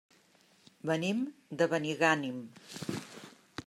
Venim de Benigànim.